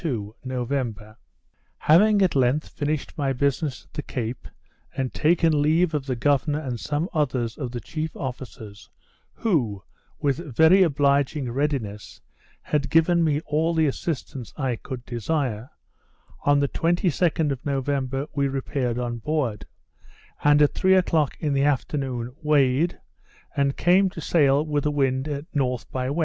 _ 1772 November Having at length finished my business at the Cape, and taken leave of the governor and some others of the chief officers, who, with very obliging readiness, had given me all the assistance I could desire, on the 22d of November we repaired on board; and at three o'clock in the afternoon weighed, and came to sail with the wind at N. by W.